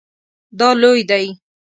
دا لوی دی